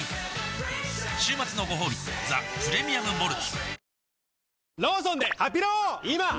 週末のごほうび「ザ・プレミアム・モルツ」おおーーッ